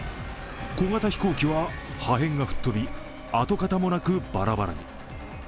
小型飛行機は破片が吹っ飛び跡形もなくバラバラに。